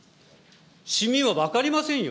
市民は分かりませんよ。